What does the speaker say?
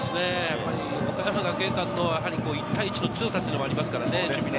岡山学芸館の１対１の通過というのもありますからね。